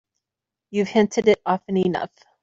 You've hinted it often enough.